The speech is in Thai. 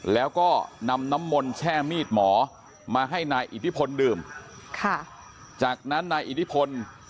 แล้วก็นำน้ำมนต์แช่มีดหมอมาให้นายอิทธิพลดื่มค่ะจากนั้นนายอิทธิพล